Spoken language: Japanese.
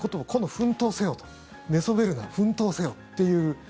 奮闘せよ寝そべるな、奮闘せよっていう。